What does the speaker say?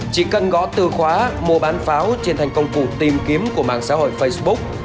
chỉ cần gõ từ khóa mua bán pháo trên thành công cụ tìm kiếm của mạng xã hội facebook